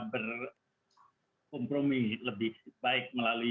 berkompromi lebih baik melalui